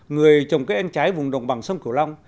người trồng các em trái vùng đồng bằng sông kiều long